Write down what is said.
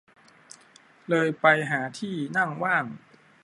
เลยไปหาที่นั่งว่าง